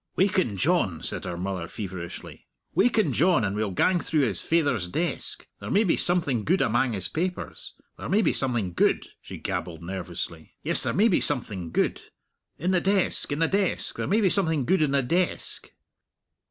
"Waken John," said her mother feverishly "waken John, and we'll gang through his faither's desk. There may be something gude amang his papers. There may be something gude!" she gabbled nervously; "yes, there may be something gude! In the desk in the desk there may be something gude in the desk!"